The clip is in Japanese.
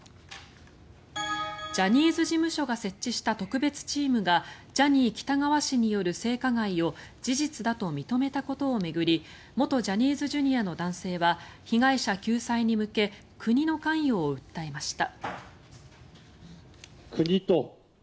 ジャニーズ事務所が設置した特別チームがジャニー喜多川氏による性加害を事実だと認めたことを巡り元ジャニーズＪｒ．の男性は被害者救済に向け国の関与を訴えました。